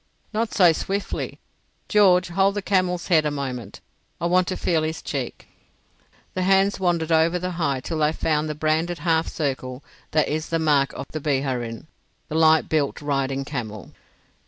"Not so swiftly. George, hold the camel's head a moment. I want to feel his cheek." The hands wandered over the hide till they found the branded half circle that is the mark of the Biharin, the light built riding camel.